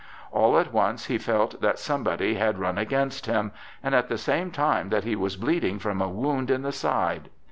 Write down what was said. All at once he felt that somebody had run against him, and at the same time that he was bleeding from a wound in the side.